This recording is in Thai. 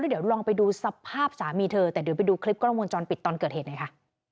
เดี๋ยวลองไปดูสภาพสามีเธอแต่เดี๋ยวไปดูคลิปกล้องวงจรปิดตอนเกิดเหตุหน่อยค่ะ